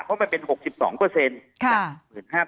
ก็เป็น๖๒แต่๑๕๐๐๐บาท